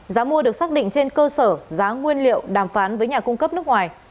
giá mua được xác định trên cơ sở giá nguyên liệu đàm phán với nhà cung cấp nước ngoài